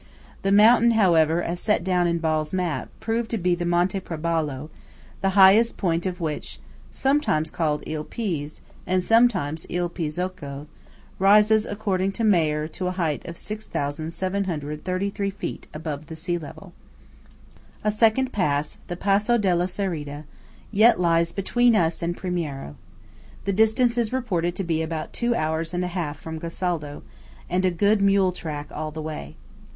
The mountain, however, as set down in Ball's map, proved to be the Monte Prabello, the highest point of which (called sometimes Il Piz, and sometimes Il Pizzocco) rises, according to Mayr, to a height of 6733 feet above the sea level. A second pass–the Passo della Cereda–yet lies between us and Primiero. The distance is reported to be about two hours and a half from Gosalda, and a good mule track all the way.